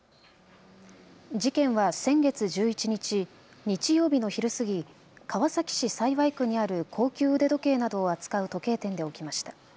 事件は先月１１日、日曜日の昼過ぎ、川崎市幸区にある高級腕時計などを扱う時計店で起きました。